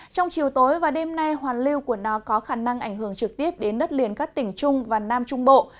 trong chiều tối và đêm nay hoàn lưu của nó có khả năng ảnh hưởng trực tiếp đến đất liền các tỉnh trung và nam trung bộ